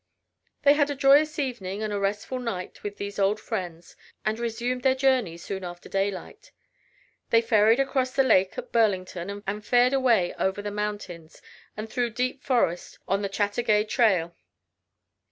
They had a joyous evening and a restful night with these old friends and resumed their journey soon after daylight. They ferried across the lake at Burlington and fared away over the mountains and through the deep forest on the Chateaugay trail.